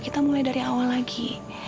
kita mulai dari awal lagi